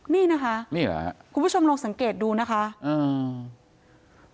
นี่นะคะนี่เหรอคุณผู้ชมลองสังเกตดูนะคะอืม